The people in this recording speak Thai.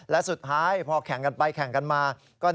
และสุดท้ายพอแข่งกันไปแข่งกันมา